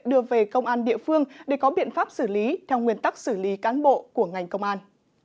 đưa về công an địa phương để có biện pháp xử lý theo nguyên tắc xử lý cán bộ của ngành công an